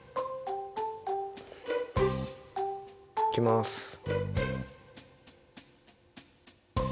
いきます。